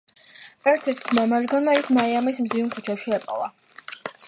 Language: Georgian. ერთ-ერთმა მათგანმა ის მაიამის მზიან ქუჩებში იპოვა.